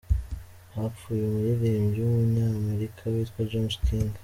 Hapfuye Umuririmbyi wUmunyamerika witwa James King.